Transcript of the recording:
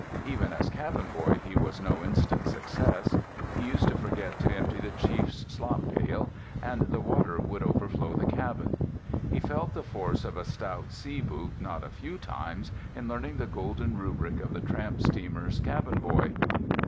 Even as cabin boy he was no instant success. He used to forget to empty the chief's slop pail, and the water would overflow the cabin. He felt the force of a stout sea boot not a few times in learning the golden rubric of the tramp steamer's cabin boy.